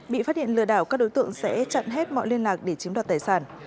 bị phát hiện lừa đảo các đối tượng sẽ chặn hết mọi liên lạc để chiếm đoạt tài sản